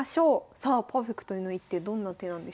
さあパーフェクトな一手どんな手なんでしょうか。